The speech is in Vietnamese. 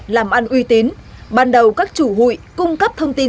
làm ăn uy tín ban đầu các chủ hụi cung cấp thông tin